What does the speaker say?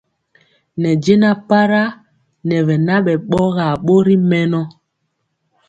Ne jɛna para nɛ bɛ nabɛ bɔgar bori mɛnɔ.